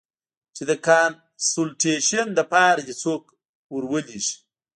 چې د کانسولټېشن د پاره دې څوک ارولېږي.